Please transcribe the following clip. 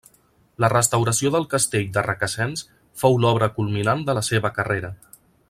La restauració del castell de Requesens fou l’obra culminant de la seva carrera.